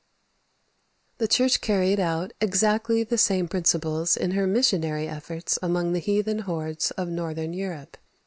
The Church carried out exactly the same principles in her missionary efforts amongst the heathen hordes of Northern Europe.